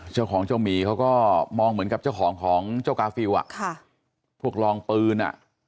เจ้าของเจ้าหมีเขาก็มองเหมือนกับเจ้าของของเจ้ากาฟิลอ่ะค่ะพวกรองปืนอ่ะ